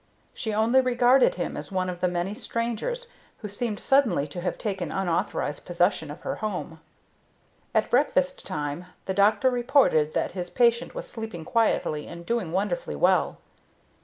She only regarded him as one of the many strangers who seemed suddenly to have taken unauthorized possession of her home. At breakfast time the doctor reported that his patient was sleeping quietly and doing wonderfully well.